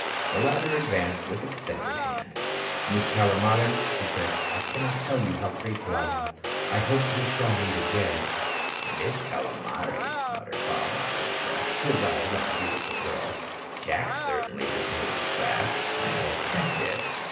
The latter advanced with extended hand. "Miss Calomares," he said, "I can't tell you how grateful I am. I hope we shall meet again." "Miss Calomares?" muttered Bob, under his breath, his eyes on the beautiful girl. "Jack certainly has moved fast. I don't get this."